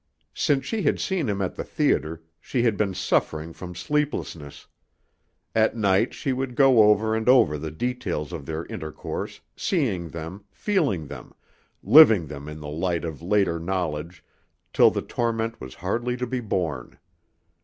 Since she had seen him at the theater, she had been suffering from sleeplessness. At night she would go over and over the details of their intercourse, seeing them, feeling them, living them in the light of later knowledge, till the torment was hardly to be borne.